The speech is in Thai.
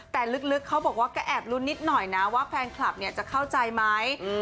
แต่ลึกเขาบอกว่าก็แอบลุ้นนิดหน่อยนะว่าแฟนคลับเนี่ยจะเข้าใจไหม